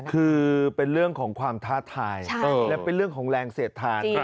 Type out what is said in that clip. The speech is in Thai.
คือเป็นเรื่องของความท้าทายและเป็นเรื่องของแรงเสียดทาน